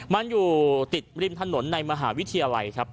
มันอยู่ติดริมถนนในมหาวิทยาลัยครับ